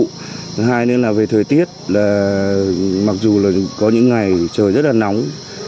thứ hai nữa là về thời tiết mặc dù có những ngày trời rất là nóng